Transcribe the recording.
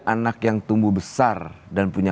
anak yang tumbuh besar dan punya